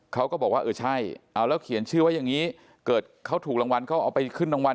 เขาก็บอกว่าเออใช่เอาแล้วเขียนชื่อไว้อย่างนี้เกิดเขาถูกรางวัลเขาเอาไปขึ้นรางวัล